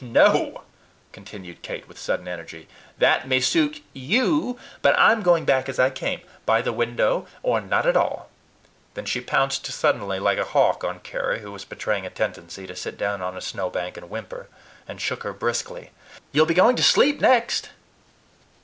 No!" continued Kate with sudden energy. "That may suit YOU; but I'm going back as I came by the window, or not at all" Then she pounced suddenly, like a hawk, on Carry, who was betraying a tendency to sit down on a snowbank and whimper, and shook her briskly. "You'll be going to sleep next.